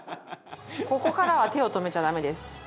ここからは手を止めちゃダメです。